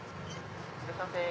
いらっしゃいませ。